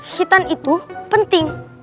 hitam itu penting